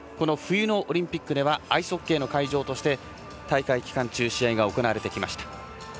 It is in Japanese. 冬のオリンピックではアイスホッケーの会場として大会期間中、試合が行われてきました。